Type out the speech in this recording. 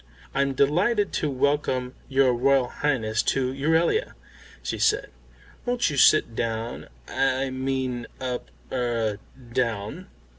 "I'm delighted to welcome your Royal Highness to Euralia," she said. "Won't you sit down I mean up er, down."